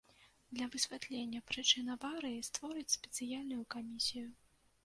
Для высвятлення прычын аварыі створаць спецыяльную камісію.